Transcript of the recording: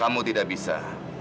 kamu tidak bisa